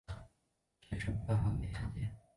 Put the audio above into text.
决胜办法详见。